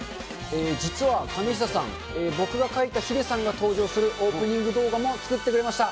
実はかねひささん、僕が描いたヒデさんが登場するオープニング動画も作ってくれました。